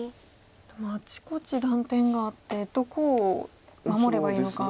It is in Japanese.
でもあちこち断点があってどこを守ればいいのかが。